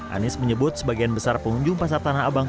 anies menyebut sebagian besar pengunjung pasar tanah abang